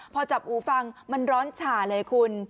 พอจับอูฟังมันร้อนฉ่าเลยคุณ